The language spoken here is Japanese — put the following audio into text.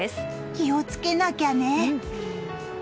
気をつけなきゃね。